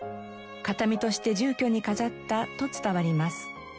形見として住居に飾ったと伝わります。